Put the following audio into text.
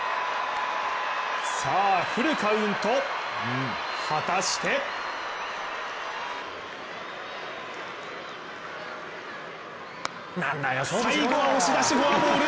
フルカウント、果たして最後は押し出しフォアボール。